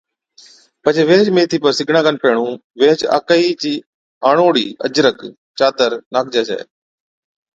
پڇي ويهچ ميٿِي پر سِگڙان کن پيھڻُون ويھچ آڪھِي چَي آڻوڙَي اجرڪ، چادر ناکجَي ڇَي